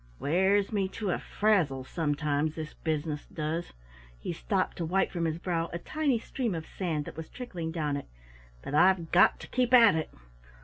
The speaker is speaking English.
Wears me to a frazzle sometimes, this business does," he stopped to wipe from his brow a tiny stream of sand that was trickling down it, "but I've got to keep at it!